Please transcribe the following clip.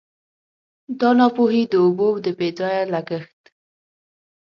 دا ناپوهي د اوبو د بې ځایه لګښت.